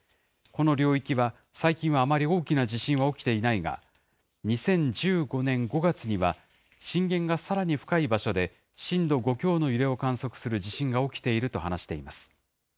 この領域は、最近はあまり大きな地震は起きていないが、２０１５年５月には、震源がさらに深い場所で、震度５強の揺れを観測する地震が起きていると話しています。